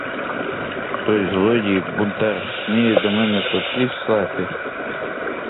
Той злодій, бунтар, сміє до мене послів слати?